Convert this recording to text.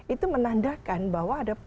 itu menandakan bahwa